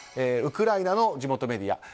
ウクライナの地元メディア。